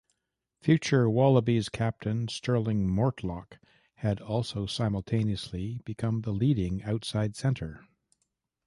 Future wallabies captain Stirling Mortlock had also simultaneously become the leading outside centre.